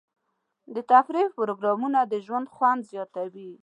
د تفریح پروګرامونه د ژوند خوند زیاتوي.